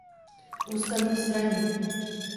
Ústavní straně.